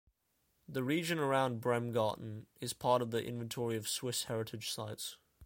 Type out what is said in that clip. The region around Bremgarten is part of the Inventory of Swiss Heritage Sites.